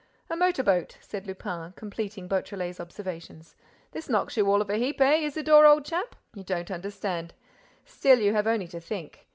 "A motor boat," said Lupin, completing Beautrelet's observations. "This knocks you all of a heap, eh, Isidore, old chap?—You don't understand.—Still, you have only to think.